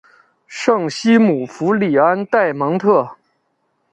圣西姆福里安代蒙特。